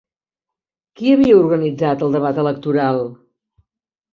Qui havia organitzat el debat electoral?